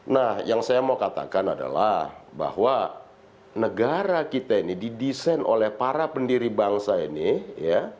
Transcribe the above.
nah yang saya mau katakan adalah bahwa negara kita ini didesain oleh para pendiri bangsa ini ya